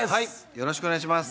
よろしくお願いします。